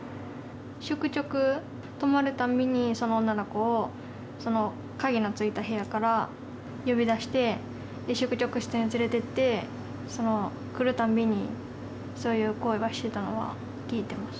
宿直、泊まるたんびにその女の子を鍵の付いた部屋から呼び出して、宿直室に連れてって、その来るたんびに、そういう行為はしてたのは聞いてます。